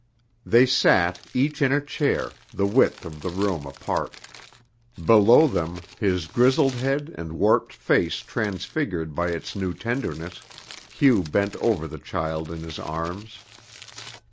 They sat, each in a chair, the width of the room apart; below them, his grizzled head and warped face transfigured by its new tenderness, Hugh bent over the child in his arms.